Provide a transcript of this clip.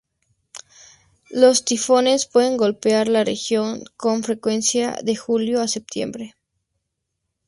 Los tifones pueden golpear la región con frecuencia de julio a septiembre.